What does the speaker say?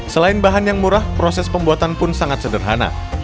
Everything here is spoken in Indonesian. selain bahan yang murah proses pembuatan pun sangat sederhana